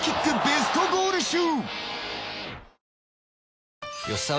ベストゴール集］